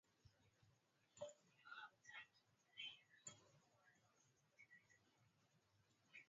kimerekani kwa ajili ya kukagua ubora wa hewa kwenye jiji la Kampala